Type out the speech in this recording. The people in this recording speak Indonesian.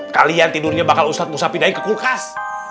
kalian tidurnya bakal uslat musa pindahin ke kulkas